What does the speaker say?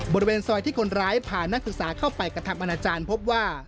บริเวณซอยที่คนร้ายพานักศึกษาเข้าไปกระทำอนาจารย์พบว่า